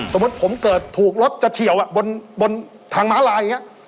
สมมุติผมเกิดถูกรถจะเฉียวบนทางม้าลายอย่างนี้